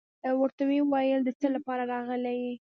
ورته يې ويل وايه دڅه لپاره راغلى يي.